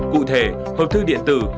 cụ thể hợp thư điện tử